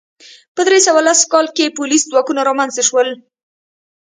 په درې سوه لس کال کې پولیس ځواکونه رامنځته شول